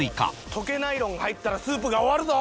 溶けナイロンが入ったらスープが終わるぞ！